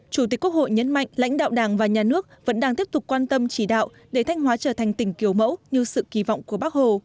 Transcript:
chủ tịch quốc hội nhấn mạnh lãnh đạo đảng và nhà nước vẫn đang tiếp tục quan tâm chỉ đạo để thanh hóa trở thành tỉnh kiểu mẫu như sự kỳ vọng của bác hồ